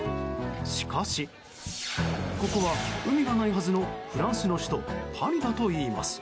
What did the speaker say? しかし、ここは海がないはずのフランスの首都パリだといいます。